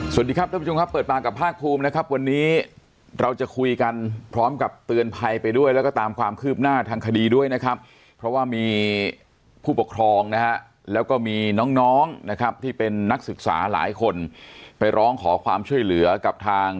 สวัสดีครับท่านผู้ชมครับเปิดปากกับภาคภูมินะครับวันนี้เราจะคุยกันพร้อมกับเตือนภัยไปด้วยแล้วก็ตามความคืบหน้าทางคดีด้วยนะครับเพราะว่ามีผู้ปกครองนะฮะแล้วก็มีน้องน้องนะครับที่เป็นนักศึกษาหลายคนไปร้องขอความช่วยเหลือกับทาง